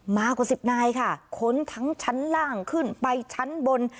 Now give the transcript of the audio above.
มากว่าสิบนายค่ะค้นทั้งชั้นล่างขึ้นไปชั้นบน